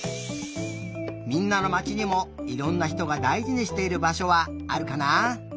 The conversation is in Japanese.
みんなのまちにもいろんなひとがだいじにしているばしょはあるかな？